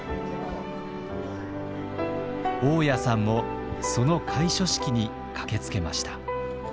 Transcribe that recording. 雄谷さんもその開所式に駆けつけました。